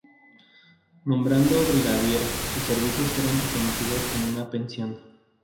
Nombrado brigadier, sus servicios fueron reconocidos con una pensión.